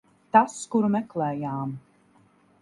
Tas, kuru meklējām.